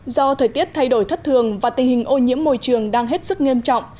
do thời tiết thay đổi thất thường và tình hình ô nhiễm môi trường đang hết sức nghiêm trọng